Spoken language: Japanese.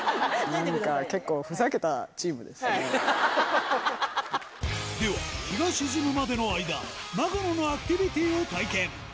なんか結構、ふざけたチームでは、日が沈むまでの間、長野のアクティビティーを体験。